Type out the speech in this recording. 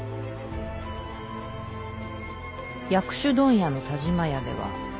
薬種問屋の田嶋屋では。